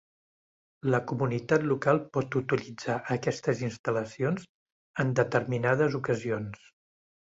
La comunitat local pot utilitzar aquestes instal·lacions en determinades ocasions.